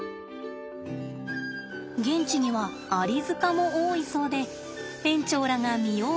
現地にはアリ塚も多いそうで園長らが見よう